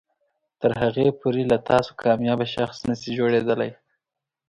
تر هغې پورې له تاسو کاميابه شخص نشي جوړیدلی